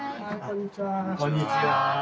こんにちは。